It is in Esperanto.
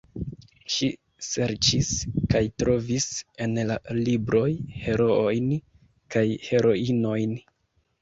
Ŝi serĉis kaj trovis en la libroj heroojn kaj heroinojn.